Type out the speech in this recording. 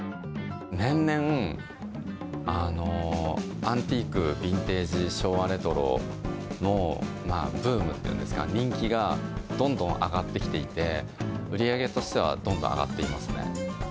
年々、アンティーク、ビンテージ、昭和レトロのブームっていうんですか、人気がどんどん上がってきていて、売り上げとしては、どんどん上がっていますね。